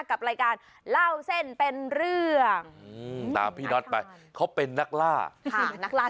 กับรายการเล่าเส้นเป็นเรื่องตามพี่น็อตไปเขาเป็นนักล่าค่ะนักล่า